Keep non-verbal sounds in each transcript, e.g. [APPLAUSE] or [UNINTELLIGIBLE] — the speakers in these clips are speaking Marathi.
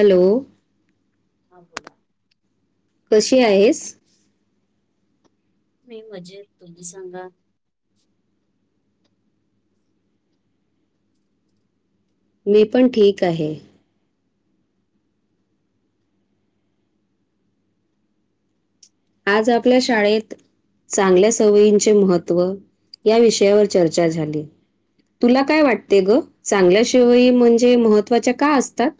हॅलो ह बोला कशी आहेस? मी मजेत तुम्ही सांगा. मी पण ठीक आहे. आज आपल्या शाळेत. चांगल्या सवयींचे महत्त्व या विषयावर चर्चा झाली. तुला काय वाटते ग? चांगल्याशिवाय म्हणजे महत्त्वाच्या का असतात?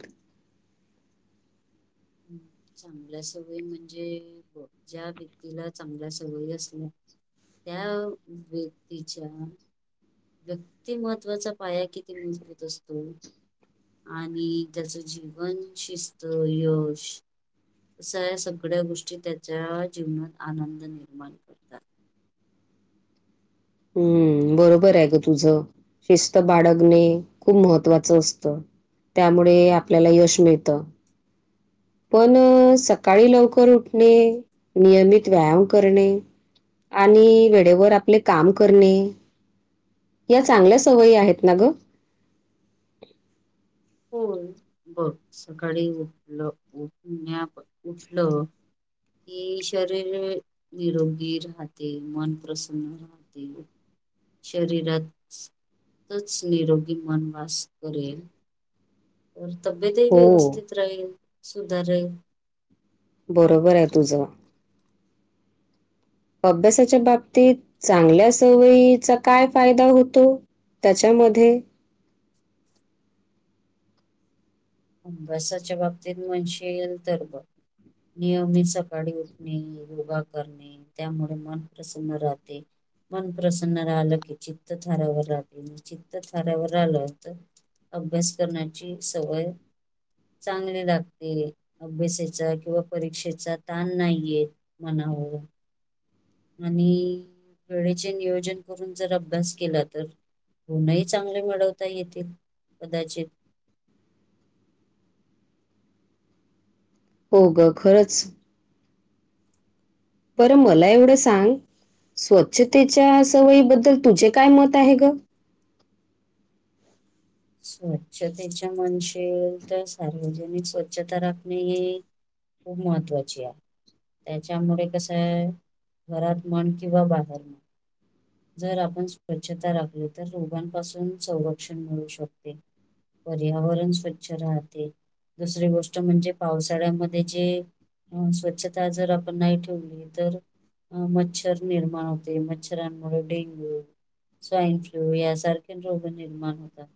चांगल्या सवय म्हणजे? ज्या व्यक्तीला चांगल्या सवयी असणे. त्या व्यक्तीच्या. व्यक्तिमहत्त्वाचा पाया किती मजबूत असतो. आणि त्याचं जीवन, शिस्त, यश. असा या सगळ्या गोष्टी त्याच्या जीवनात आनंद निर्माण करतात. हम्म बरोबर आहे ग तुझं शिस्त बाळगणे खूप महत्वाचं असतं. त्यामुळे आपल्याला यश मिळत. पण सकाळी लवकर उठणे नियमित व्यायाम करणे. आणि वेळेवर आपले काम करणे. या चांगल्या सवयी आहेत ना ग? हो, बर सकाळी उठलं उठण्या उठलं. हे शरीर निरोगी राहते मन प्रसन्न राहते. ते शरीरातच निरोगी मन वास करेल. तब्येतही हो व्यवस्थित राहील सुधारेल. बरोबर आहे तुझं. अभ्यासाच्या बाबतीत चांगल्या सवयीचा काय फायदा होतो? त्यांच्यामध्ये. अभ्यासाच्या बाबतीत म्हनश येईल तर बघ. नियमित सकाळी उठणे योगा करणे. त्यामुळे मन प्रसन्न राहते. मन प्रसन्न राहलं की चित्त थाऱ्यावर राहतय. म चित्त थाऱ्यावर राहल तर अभ्यास करण्याची सवय चांगली लागते, अभ्यासाचा किंवा परीक्षेचा ताण नाही येत. मनावर. आणि, वेळेचे नियोजन करून जर अभ्यास केला. तर गुनही चांगले मिळवता येतील कदाचित. हो ग खरंच. बर मला एवढं सांग. स्वच्छतेच्या सवयीबद्दल तुझे काय मत आहे ग? स्वच्छतेच्या म्हणशिल तर, सार्वजनिक स्वच्छता राखणे. हे खूप महत्वाचीया. त्याच्यामुळे कसंय, घरात म्हण किंवा बाहेर म्हण, जर आपण स्वच्छता राखली तर, रोगांपासून संरक्षण मिळू शकते. पर्यावरण स्वच्छ राहते. दुसरी गोष्ट म्हणजे पावसाळ्यामध्ये जे स्वच्छता जर आपण नाही ठेवली तर मग मच्छर निर्माण होते. मच्छरांन डेंग्यू, स्वाईन फ्लू. यासारखे रोग निर्माण होतात.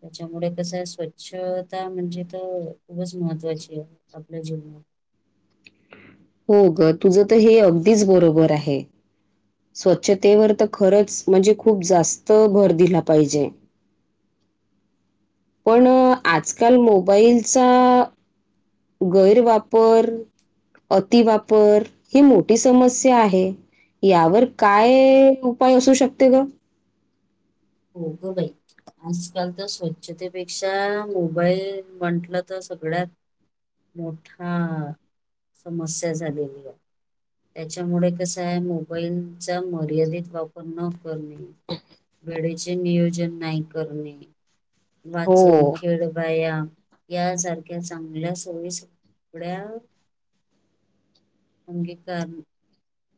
त्याच्यामुळे कसंय स्वच्छता म्हणजे ते खूपच महत्वाचीय. आपल्या जीवनात. हो ग तुझं त हे अगदीच बरोबर आहे. स्वच्छतेवर तर खरंच, म्हणजे खूप जास्त भर दिला पाहिजे. पण आजकाल मोबाईलचा गैरवापर, अतिवापर, ही मोठी समस्या आहे. यावर काय उपाय असू शकते गं? होय ग बाई. आजकाल त स्वच्छतेपेक्षा, मोबाईल म्हंटलं तर सगळ्यात मोठा समस्या झालेलीय. त्याच्यामुळे कसंय. मोबाईलचा मर्यादित वापर न करणे. वेळेचे नियोजन नाही करणे. हो वाचून, खेळ, व्यायाम यासारख्या चांगल्या सवयी सगळ्या अंगीकारणे.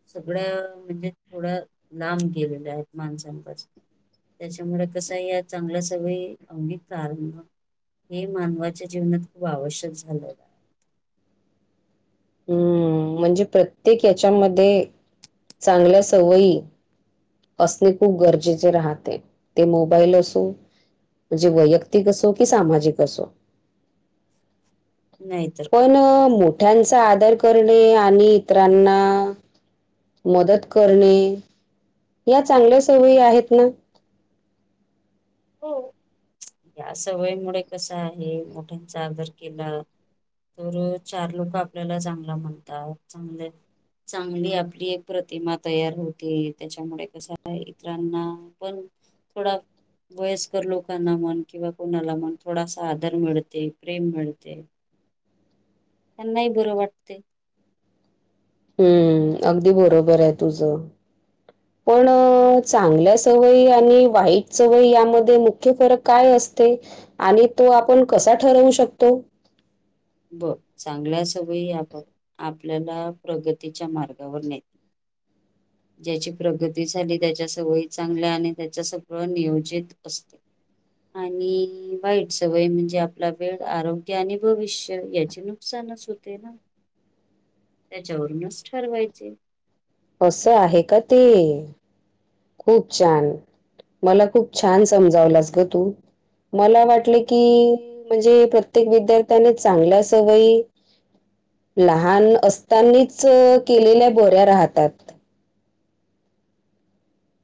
सगळ्या म्हणजे, थोड्या लांब गेलेल्या आहेत. माणसां पासून. त्याच्यामुळे कसंय? या चांगल्या सवयी अंगीकारण हे मानवाच्या जीवनात खूप आवश्यक झालेलं आहे. हम्म म्हणजे प्रत्येक याच्यामध्ये, चांगल्या सवयी असणे खूप गरजेचे राहते. ते मोबाईल असो म्हणजे वैयक्तिक असो की, सामाजिक असो. नाही. पण मोठ्यांचा आदर करणे. आणि इतरांना मदत करणे, या चांगल्या सवयी आहेत ना. हो, या सवयीमुळे कसं आहे, मोठ्यांचा आदर केला, तर चार लोक आपल्याला चांगल म्हणतात. चांगले चांगली आपली एक प्रतिमा तयार होते, त्याच्यामुळे कसं आहे इतरांना पण थोडा वयस्कर लोकांना म्हन किंवा कोणाला म्हन. थोडासा आदर मिळते, प्रेम मिळते. त्यांना ही बरं वाटतेय. हम्म, अगदी बरोबर आहे तुझं. पण चांगल्या सवयी आणि वाईट सवयी यामध्ये मुख्य फरक काय असते? आणि तो आपण कसा ठरवू शकतो? बघ. चांगल्या सवयी या बघ आपल्याला प्रगतीच्या मार्गावर न [INAUDIBLE] ज्याची प्रगती झाली, त्याच्या सवयी चांगल्या आणि त्याच्या सगळं नियोजित असते. आणि वाईट सवय म्हणजे आपला वेळ, आरोग्य आणि भविष्य याचे नुकसानच होते ना, त्याच्यावरूनच ठरवायचे. असं आहे का ते? खूप छान... मला खूप छान समजावलास ग तू. मला वाटलं की, म्हणजे प्रत्येक विद्यार्थ्याने चांगल्या सवयी लहान असतानीच केलेल्या बऱ्या राहतात.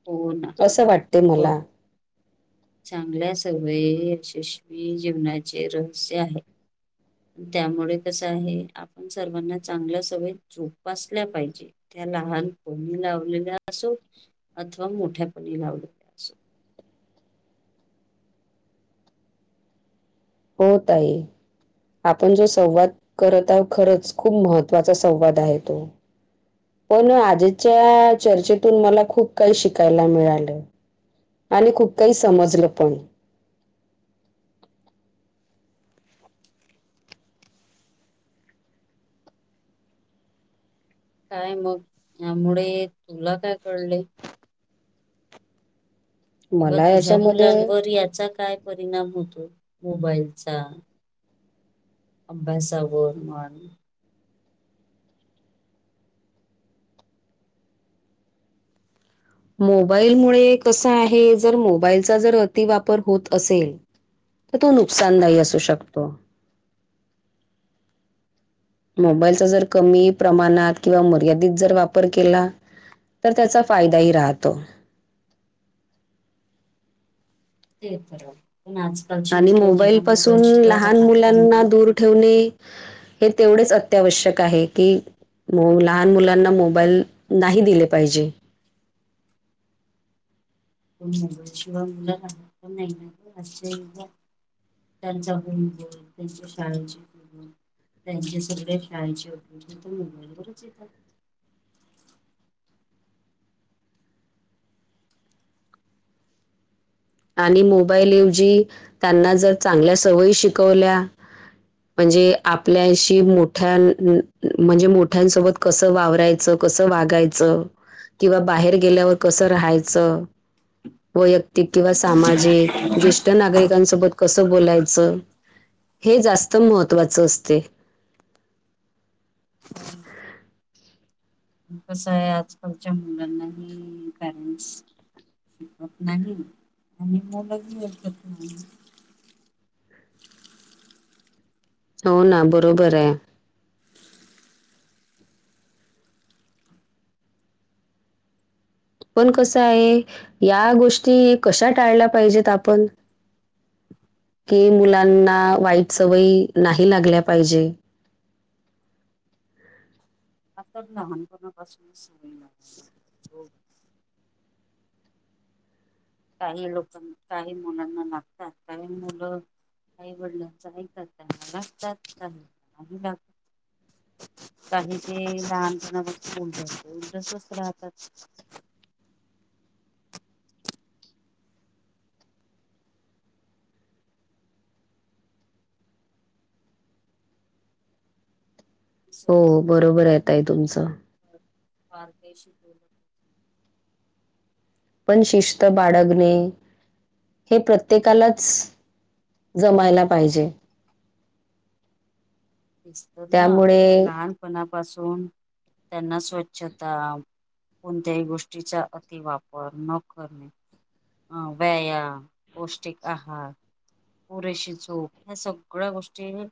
होना. असं वाटते ब मला. चांगल्या सवयी यशस्वी जीवनाचे रहस्य आहे. पण त्यामुळे कसं आहे. आपण सर्वांना चांगल्या सवयी जोपासल्या पाहिजेत. त्या लहानपणी लावलेल्या असो, अथवा मोठ्यापणी लावले हो ताई. आपण जो संवाद करत आहो खरंच खूप महत्त्वाचा संवाद आहे तो. पण आजीच्या चर्चेतून मला खूप काही शिकायला मिळालं. आणि खूप काही समजलं पण. काय मग. यामुळे तुला काय कळले? किंवा मला तुझ्या याच्यामध्ये मुलांवर याचा काय परिणाम होतो. मोबाईलचा? अभ्यासा वर म्हण. मोबाईल मुळे कस आहे, जर मोबाईलचा जर अतिवापर होत असेल तर तो नुकसानदायी असू शकतो. मोबाईलचा जर कमी प्रमाणात किंवा मर्यादित जर वापर केला तर त्याचा फायदाही राहतो. ते तर. आज आणि मोबाईल पासून लहान नाही मुलांना ना. दूर ठेवणे हे तेवढेच अत्यावश्यक आहे की म लहान मुलांना मोबाईल नाही दिले पाहिजे. [UNINTELLIGIBLE] त्यांचा ग त्यांच्या शाळांची त्यांचे सगळे खेळाचे उपयोग तर मोबाईल वरच येतात. आणि मोबाईलऐवजी त्यांना जर चांगल्या सवयी शिकवल्या म्हणजे आपल्याशी, मोठ्या, म्हणजे मोठ्यांसोबत कसं वावरायचं? कसं वागायचं? किंवा बाहेर गेल्यावर कसं राहायचं? वैय किंवा सामाजिक जे नागरिकांसोबत कसं बोलायचं? हे जास्त महत्त्वाचं असते. कसं आहे आजकालच्या मुलांनाही पॅरेंट्स शिकत नाही, आणि मुल ही ऐकत नाही हो ना बरोबर आहे. पण कसं आहे., या गोष्टी कशा टाळल्या पाहिजेत आपण? कि मुलांना वाईट सवयी नाही लागल्या पाहिजे? आता लहानपणा पासूनच सवय लावाला हवी काही लोकांना, काही मुलांना, लागतात काही मुलं आई वडिलांच ऐकात त्यांना लागतात का आत काही ते लहानपणापासून असते उलट तसंच राहतात. हो बरोबर ये ताई तुमचं. पारदर्शी बोलत पण शिस्त बाळगणे, हे प्रत्येकालाच जमायला पाहिजे. तेच तर ना, त्यामुळे लहानपणापासून त्यांना स्वच्छता कोणत्याही गोष्टीचा, अतिवापर न करणे हा व्यायाम, पौष्टिक आहार पुरेशी झोप, ह्या सगळ्या गोष्टी ही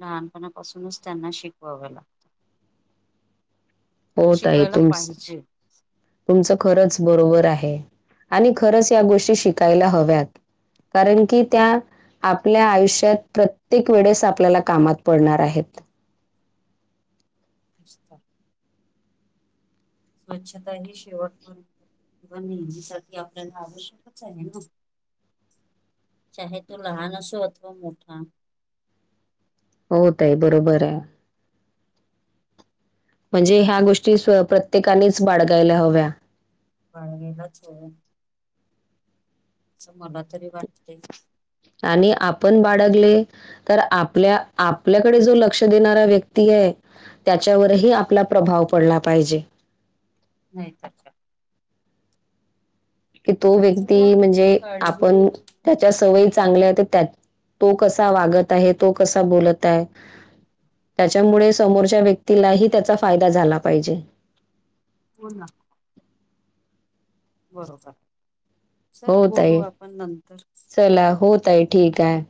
लहानपणापासूनच त्यांना शिकवावं लागत. हो ताई, शिकवायला तुम पाहिजे तुमचं खरंच बरोबर आहे, आणि खरंच या गोष्टी शिकायला हव्यात. कारण की त्या, आपल्या आयुष्यात प्रत्येक वेळेस आपल्याला कामात पडणार आहेत. नुस्ता स्वच्छता ही शेवटपर्य कवा नेहमीसाठी आपल्याला आवश्यकच आहे ना? चाहे तो लहान असो अथवा मोठा. हो ताई बरोबर आहे. म्हणजे ह्या गोष्टी प्रत्येकानेच बाळगायला हव्या. बाळगालाच हाव. अस मला तरी वाटते. आणि आपण बाळगले तर आपल्या, आपल्याकडे जो लक्ष देणारा व्यक्ती आहे त्याच्यावरही आपला प्रभाव पडला पाहिजे. नाही तर. कि तो चला व्यक्ती म्हणजे, काळजी आपण त्याच्या सवयी चांगल्या त्या, तो कसा वागत आहे, तो कसा बोलत आहे. त्याच्यामुळे समोरच्या व्यक्तीलाही त्याचा फायदा झाला पाहिजे. बोल ना. बरोबर, चल हो बोलू ताई. आपण नंतर. चला, हो ताई ठीक आहे.